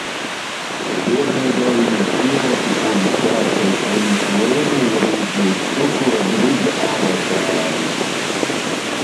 Pirmie deviņi piloti, kuri šķērsos finiša līniju, rīt būs Cukura drudža avatāri!